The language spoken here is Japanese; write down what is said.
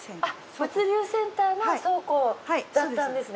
物流センターの倉庫だったんですね。